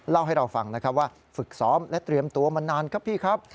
เล่าให้เราฟังนะครับว่าฝึกซ้อมและเตรียมตัวมานานครับพี่ครับ